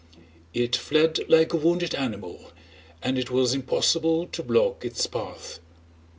It fled like a wounded animal and it was impossible to block its path.